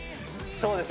そうです